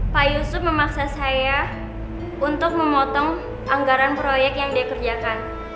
pak yusuf memaksa saya untuk memotong anggaran proyek yang dia kerjakan